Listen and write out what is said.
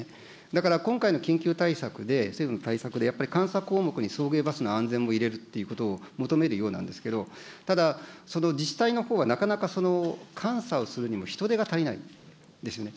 だから、今回の緊急対策で、政府の対策で、やっぱり監査項目に送迎バスの安全も入れるということを求めるようなんですけど、ただ、その自治体のほうは、なかなか監査をするにも人手が足りないんですね。